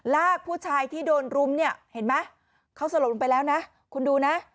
ผู้ชายที่โดนรุมเนี่ยเห็นไหมเขาสลบลงไปแล้วนะคุณดูนะ